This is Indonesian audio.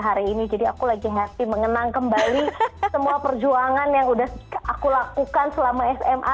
hari ini jadi aku lagi happy mengenang kembali semua perjuangan yang udah aku lakukan selama sma